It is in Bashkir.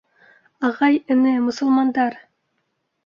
— Ағай-эне, мосолмандар!